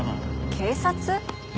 警察？